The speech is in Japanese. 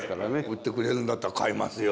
売ってくれるんだったら買いますよ。